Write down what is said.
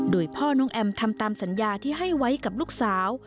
โดยพ่อน้องแอมทำตามสัญญาที่ให้ไว้กับลูกสาว